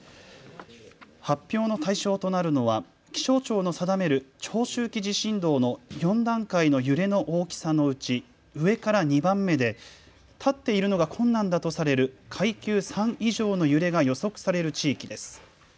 発表の対象となるのは気象庁の定める長周期地震動の４段階の揺れの大きさのうち上から２番目で立っているのが困難だとされる階級３以上の揺れが予測される地域です。